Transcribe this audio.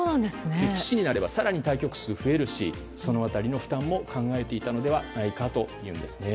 プロ棋士になれば、更に対局数が増えるしその辺りの負担も考えていたのではないかというんです。